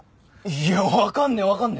いやわかんねえわかんねえ！